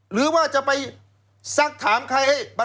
หรือว่าจะไปซักถามใครให้